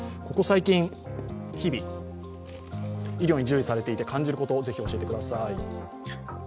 ここ最近、日々、医療に従事されていて感じることぜひ教えてください。